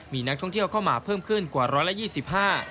มีนักท่องเที่ยวเข้ามาเพิ่มขึ้นกว่าร้อยละยี่สิบห้า